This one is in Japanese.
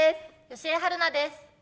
吉江晴菜です。